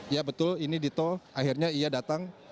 ya betul ini dito akhirnya ia datang